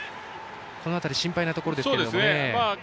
この辺り、心配なところですね。